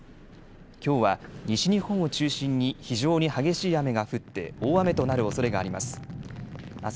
きょうは西日本を中心に非常に激しい雨が降って大雨となるおそれがあります。